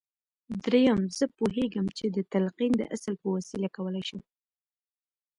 درېيم زه پوهېږم چې د تلقين د اصل په وسيله کولای شم.